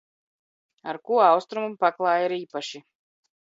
Ar ko austrumu paklāji ir īpaši?